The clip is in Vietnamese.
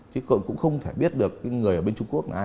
chứ còn cũng không thể biết được người ở bên trung quốc là ai